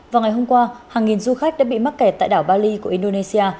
vào ngày hôm qua hàng nghìn du khách đã bị mắc kẹt tại đảo bali của indonesia